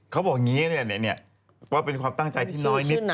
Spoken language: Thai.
เขาบอกอย่างนี้ว่าเป็นความตั้งใจที่น้อยนิดนะ